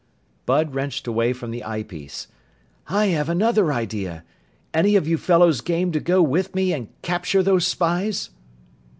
Bud wrenched away from the eyepiece. "I have another idea! Any of you fellows game to go with me and capture those spies?"